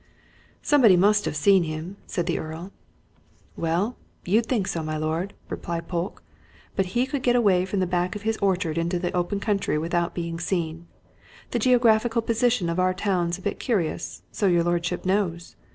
"Somebody must have seen him," said the Earl. "Well, you'd think so, my lord," replied Polke, "but he could get away from the back of his orchard into the open country without being seen. The geographical position of our town's a bit curious, so your lordship knows.